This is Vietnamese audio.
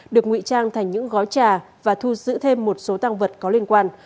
được ngụy trang thành những gói trà và thu giữ thêm một số tăng vật có liên quan